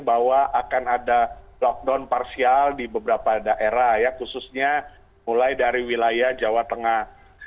bahwa akan ada lockdown parsial di beberapa daerah ya khususnya mulai dari wilayah jawa tengah